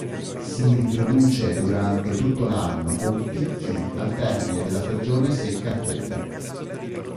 Si riproduce durante tutto l'anno con picchi al termine della stagione secca fredda.